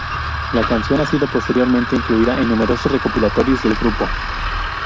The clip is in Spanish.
La canción ha sido posteriormente incluida en numerosos recopilatorios del grupo.